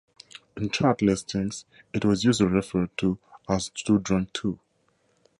In chart listings, it was usually referred to as "Too Drunk To".